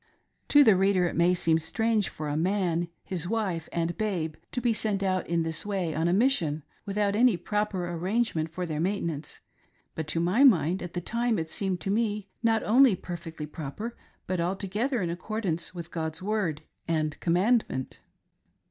To the reader it may seem strange .for a man, his wife, and babe, to be sent out in this way on a mission without any proper arrangement for their mainten ance, but to my mind, at the time, it seemed to me not only perfectly proper, but altogether in accordance with God's word and commandment.